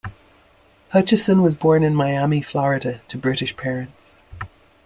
Hutchison was born in Miami, Florida to British parents.